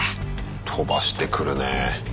飛ばしてくるねえ。